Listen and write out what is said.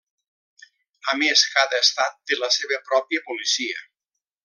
A més cada estat té la seva pròpia policia.